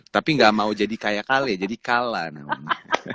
tapi enggak mau jadi kayak kale jadi kala namanya